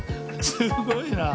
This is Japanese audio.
すごいな。